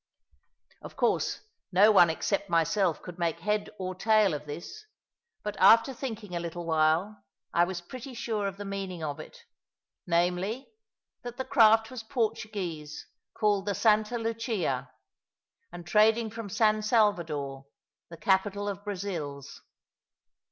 Of course no one except myself could make head or tail of this; but after thinking a little while, I was pretty sure of the meaning of it namely, that the craft was Portuguese, called the Santa Lucia, and trading from San Salvador, the capital of Brazils.